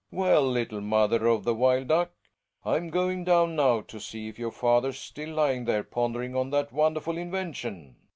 Well, little mot her of the wild duck. I'm going down now to see if our father's still tying there pon dering on that wonderful invention.